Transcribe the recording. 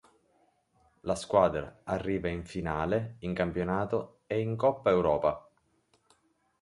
La squadra arriva in finale in campionato e in Coppa Europa.